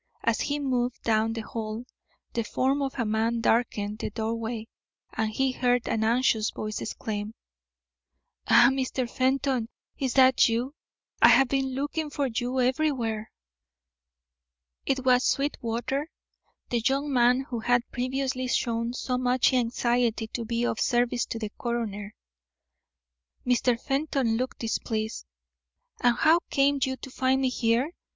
As he moved down the hall the form of a man darkened the doorway and he heard an anxious voice exclaim: "Ah, Mr. Fenton, is that you? I have been looking for you everywhere." It was Sweetwater, the young man who had previously shown so much anxiety to be of service to the coroner. Mr. Fenton looked displeased. "And how came you to find me here?"